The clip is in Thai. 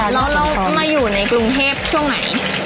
แล้วเรามาอยู่ในกรุงเทพช่วงไหน